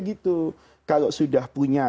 gitu kalau sudah punya